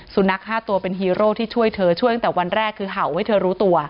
สุนัข๕ตัวเป็นฮีโร่ที่ช่วยเธอช่วยตั้งแต่วันแรกคือเห่าให้เธอรู้ตัว